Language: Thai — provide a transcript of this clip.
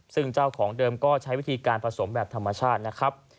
ซึ่งเจ้าของเดิมก็ใช้วิธีการผสมแบบธรรมชาตินะครับ